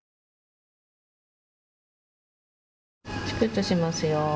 ちくっとしますよ。